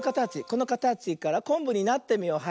このかたちからこんぶになってみよう。